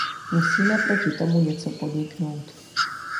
Musíme proti tomu něco podniknout.